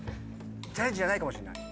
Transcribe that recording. チャレンジじゃないかもしれない。